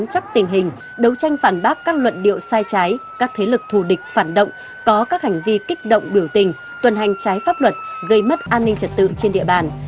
nắm chắc tình hình đấu tranh phản bác các luận điệu sai trái các thế lực thù địch phản động có các hành vi kích động biểu tình tuần hành trái pháp luật gây mất an ninh trật tự trên địa bàn